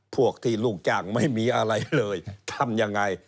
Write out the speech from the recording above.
พวกที่ลูกจ้างไม่มีอะไรเลยทำยังไง